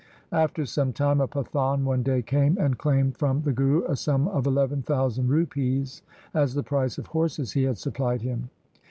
After some time a Pathan one day came and claimed from the Guru a sum of eleven thousand rupees as the price of horses he had supplied him.